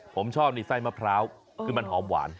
ผมชอบนี่ไส้มะพร้าวคือมันหอมหวาน